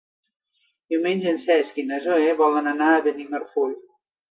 Diumenge en Cesc i na Zoè volen anar a Benimarfull.